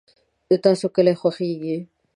د تاسو کلي خوښیږي؟